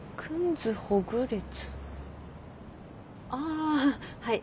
あはい。